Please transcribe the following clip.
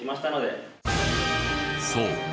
そう。